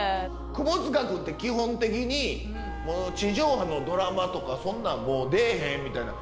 窪塚君って基本的に地上波のドラマとかそんなんもう出えへんみたいな。